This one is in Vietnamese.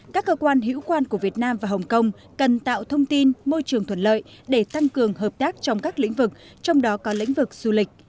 các cơ quan hữu quan của việt nam và hồng kông cần tạo thông tin môi trường thuận lợi để tăng cường hợp tác trong các lĩnh vực trong đó có lĩnh vực du lịch